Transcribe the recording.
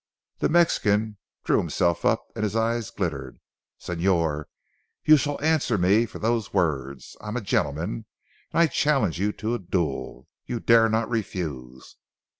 The Mexican drew himself up and his eyes glittered. "Señor, you shall answer me for those words. I am a gentleman, and I challenge you to a duel. You dare not refuse."